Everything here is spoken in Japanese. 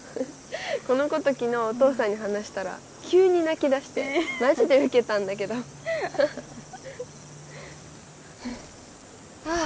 このこと昨日お父さんに話したら急に泣きだしてマジでウケたんだけどはあ